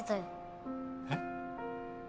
えっ？